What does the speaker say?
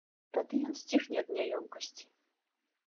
Тады ён сціхне ад няёмкасці.